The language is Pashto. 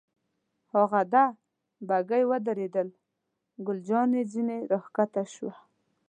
هاغه ده، بګۍ ودرېدل، ګل جانې ځنې را کښته شوه.